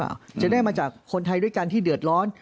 เพราะอาชญากรเขาต้องปล่อยเงิน